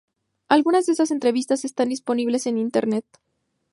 Algunas de estas entrevistas están disponibles en Internet.